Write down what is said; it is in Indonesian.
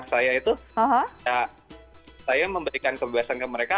kalau di sini kan anak saya itu saya memberikan kebiasaan ke mereka